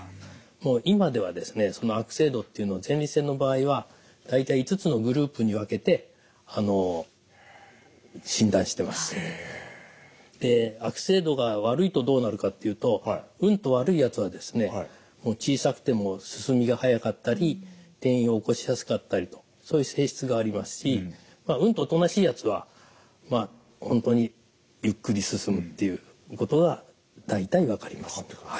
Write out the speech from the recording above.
もう今ではですねその悪性度っていうのは前立腺の場合はで悪性度が悪いとどうなるかっていうとうんと悪いやつはですね小さくても進みが速かったり転移を起こしやすかったりとそういう性質がありますしうんとおとなしいやつは本当にゆっくり進むっていうことが大体分かります。